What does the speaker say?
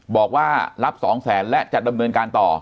บอกว่ารับ๒แสนและจะดำเนินการต่อ